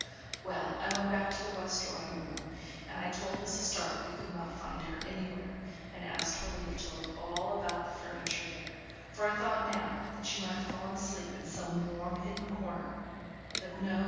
Well, I went back to the west drawing room, and I told Mrs. Stark we could not find her anywhere, and asked for leave to look all about the furniture there, for I thought now that she might have fallen asleep in some warm, hidden corner; but no!